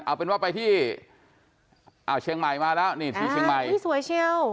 เอาเป็นว่าไปที่อ่าเชียงใหม่มาแล้วนี่ที่เชียงใหม่นี่สวยเชียว